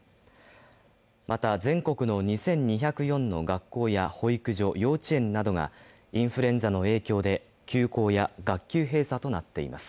また全国の２２０４の学校や保育所・幼稚園などがインフルエンザの影響で休校や学級閉鎖となっています。